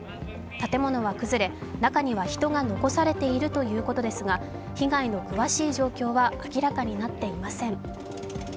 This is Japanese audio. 建物は崩れ、中には人が残されているということですが、被害の詳しい状況は明らかになっていません。